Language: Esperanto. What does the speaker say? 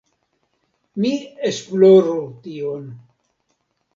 mi esploru tion.